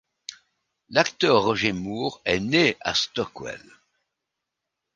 L'acteur Roger Moore est né à Stockwell.